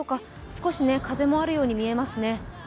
少し風もあるように見えますね。